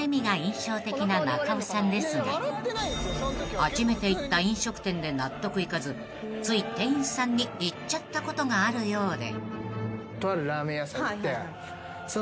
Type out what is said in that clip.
［中尾さんですが初めて行った飲食店で納得いかずつい店員さんに言っちゃったことがあるようで］